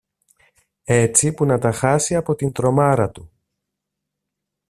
έτσι που να τα χάσει από την τρομάρα του.